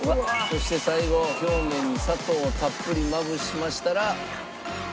そして最後表面に砂糖をたっぷりまぶしましたら。